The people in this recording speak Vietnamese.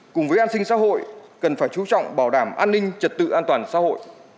cùng với an sinh xã hội cần phải chú trọng bảo đảm an ninh trật tự an toàn xã hội